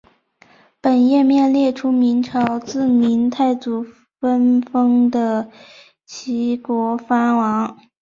本页面列出明朝自明太祖分封的岷国藩王。